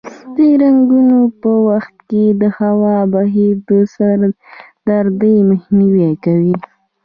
د رنګولو په وخت کې د هوا بهیر د سر دردۍ مخنیوی کوي.